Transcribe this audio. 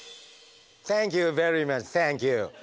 サンキューベリーマッチサンキュー。